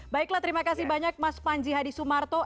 baiklah terima kasih banyak mas panji hadi sumarto